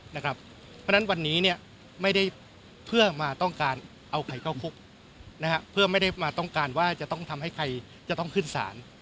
เพราะฉะนั้นวันนี้ไม่ได้เพื่อมาต้องการเอาใครเข้าคุกเพื่อไม่ได้มาต้องการว่าจะต้องทำให้ใครจะต้องขึ้นศาล